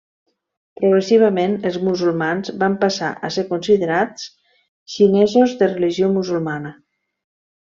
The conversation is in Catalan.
Progressivament els musulmans van passar a ser considerats xinesos de religió musulmana.